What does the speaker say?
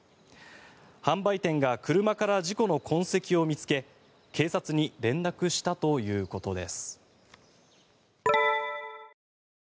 販売店が車から事故の痕跡を見つけ警察に連絡したということです。